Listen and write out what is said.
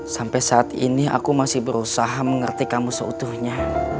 sampai saat ini aku masih berusaha mengerti kamu seutuhnya